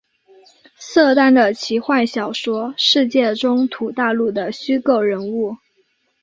瑟丹的奇幻小说世界中土大陆的虚构人物。